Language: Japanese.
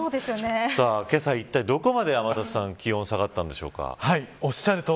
いったい、けさ、どこまで天達さん気温下がったんでしょうか。